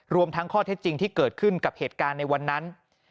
รวมทั้งข้อเท็จจริงที่เกิดขึ้นกับเหตุการณ์ในวันนั้น